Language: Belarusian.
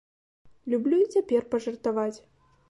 Люблю і цяпер пажартаваць.